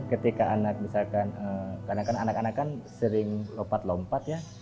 ketika anak misalkan karena kan anak anak kan sering lompat lompat ya